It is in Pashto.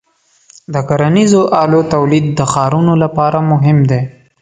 د کرنیزو آلو تولید د ښارونو لپاره مهم دی.